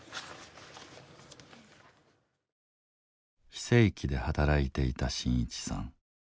非正規で働いていた伸一さん。